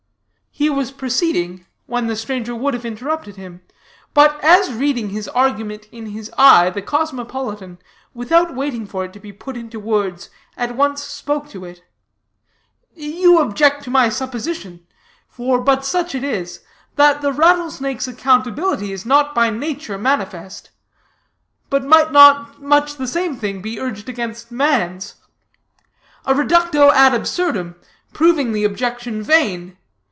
He was proceeding, when the stranger would have interrupted him; but as reading his argument in his eye, the cosmopolitan, without waiting for it to be put into words, at once spoke to it: "You object to my supposition, for but such it is, that the rattle snake's accountability is not by nature manifest; but might not much the same thing be urged against man's? A reductio ad absurdum, proving the objection vain.